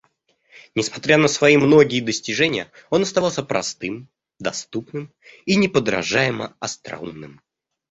Несмотря на свои многие достижения, он оставался простым, доступным и неподражаемо остроумным.